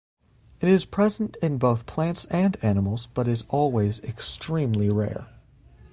It is present in both plants and animals but is always extremely rare.